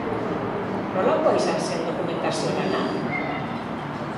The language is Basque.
Nolakoa izan zen dokumentazio lana?